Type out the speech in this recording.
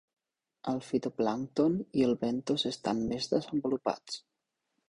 El fitoplàncton i el bentos estan més desenvolupats.